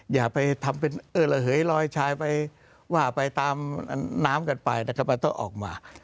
อย่าไปทำเป็นระเหยลอยชายไปว่าไปตามน้ำกันไปนะครับมันต้องออกมา